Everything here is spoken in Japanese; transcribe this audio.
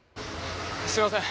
すいません。